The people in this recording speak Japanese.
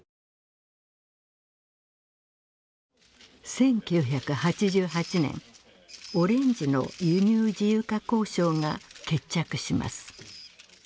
１９８８年オレンジの輸入自由化交渉が決着します。